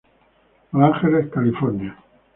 Los Angeles California.